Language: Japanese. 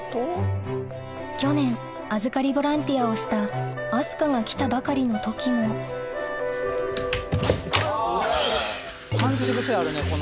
去年預かりボランティアをした明日香が来たばかりの時もパンチ癖あるね